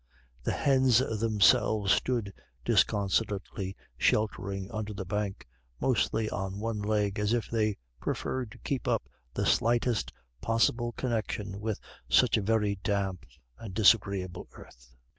The hens themselves stood disconsolately sheltering under the bank, mostly on one leg, as if they preferred to keep up the slightest possible connection with such a very damp and disagreeable earth.